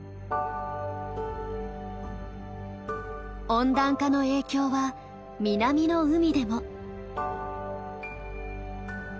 温暖化の影響は南の海でも。